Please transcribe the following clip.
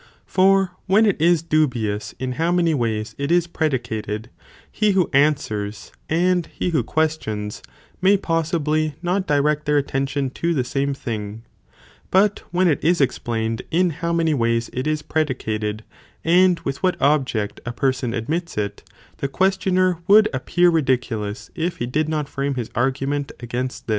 For when it is dubious in how many ways it is predicated, he who answers, and he who ques tions, may possibly not direct their attention, to the same thing, but when it is explained in how many ways it is predicated and with what object a person admits it, the questioner would ap pear ridiculous if he did not frame his argument against this.